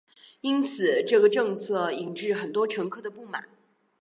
因此这个政策引致很多乘客的不满。